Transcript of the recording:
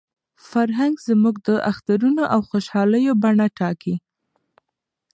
فرهنګ زموږ د اخترونو او خوشالیو بڼه ټاکي.